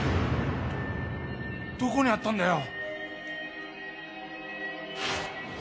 どどこにあったんだよ？